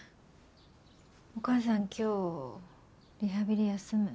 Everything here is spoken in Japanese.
お母さん今日リハビリ休む。